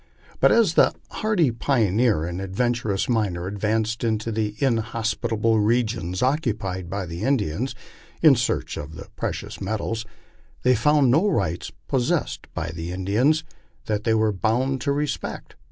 But as the hardy pioneer and adventurous miner advanced into the inhospita ble regions occupied by the Indians, in search of the precious metals, they found no rights possessed by the Indians that they were bound to respect.